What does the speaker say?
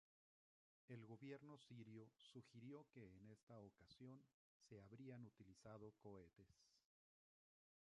El gobierno sirio sugirió que en esta ocasión se habrían utilizado cohetes.